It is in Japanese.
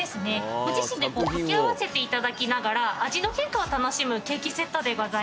ご自身で掛け合わせていただきながら味の変化を楽しむケーキセットでございます。